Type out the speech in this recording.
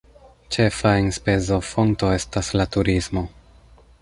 Ĉefa enspezofonto estas la turismo.